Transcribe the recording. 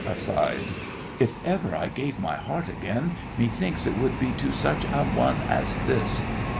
(Aside.) If ever I gave my heart again, methinks it would be to such a one as this!